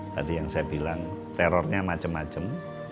tadi yang saya bilang terornya macam macam